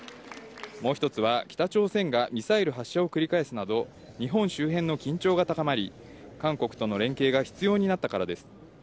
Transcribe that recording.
もう１つは北朝鮮がミサイル発射を繰り返すなど、日本周辺の緊張が高まり、韓国との連携が必要になったからです。